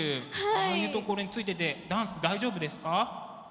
ああいうところについててダンス大丈夫ですか？